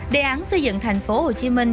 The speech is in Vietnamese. đề án xây dựng thành phố hồ chí minh